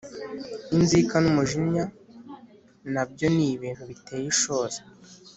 Inzika n’umujinya, na byo ni ibintu biteye ishozi,